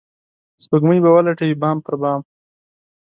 سپوږمۍ به ولټوي بام پر بام